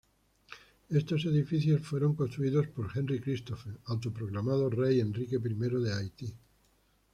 Estos edificios fueron construidos por Henri Christophe, autoproclamado rey Enrique I de Haití.